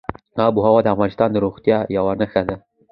آب وهوا د افغانستان د زرغونتیا یوه نښه ده.